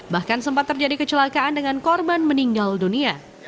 bahkan sempat terjadi kecelakaan dengan korban meninggal dunia